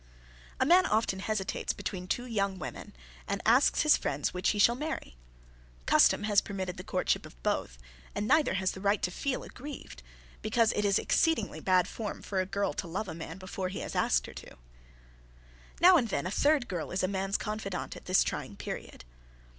A man often hesitates between two young women and asks his friends which he shall marry. Custom has permitted the courtship of both and neither has the right to feel aggrieved, because it is exceedingly bad form for a girl to love a man before he has asked her to. Now and then a third girl is a man's confidante at this trying period.